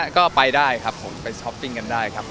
ก็ไปได้ครับผมไปช้อปปิ้งกันได้ครับ